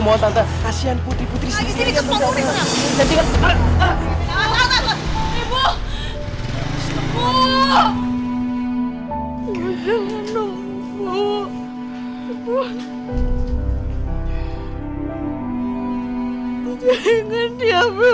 jangan diambil dong bu